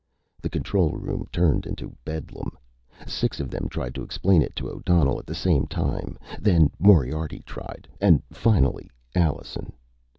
The control room turned into a bedlam. Six of them tried to explain it to O'Donnell at the same time. Then Moriarty tried, and finally Allenson.